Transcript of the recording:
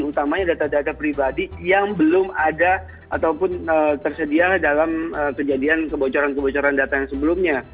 utamanya data data pribadi yang belum ada ataupun tersedia dalam kejadian kebocoran kebocoran data yang sebelumnya